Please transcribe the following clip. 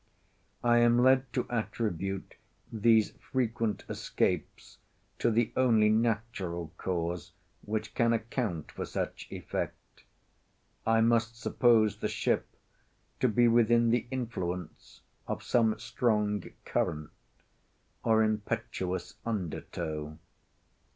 I am led to attribute these frequent escapes to the only natural cause which can account for such effect. I must suppose the ship to be within the influence of some strong current, or impetuous under tow.